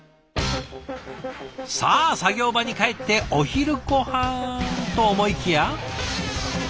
さあ作業場に帰ってお昼ごはんと思いきや。